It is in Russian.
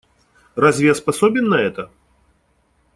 Разве я способен на это?